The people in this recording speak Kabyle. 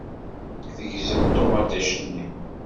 Tegzem ṭumaṭic-nni.